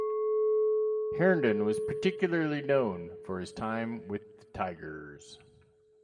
Herndon was particularly known for his time with the Tigers.